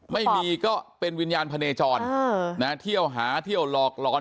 ไม่มีก็เป็นวิญญาณพะเนจรเที่ยวหาเที่ยวหลอกหลอน